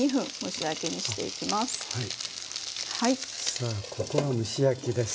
さあここは蒸し焼きです。